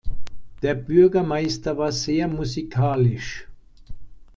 Der Bürgermeister war sehr musikalisch.